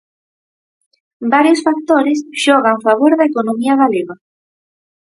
Varios factores xogan favor da economía galega.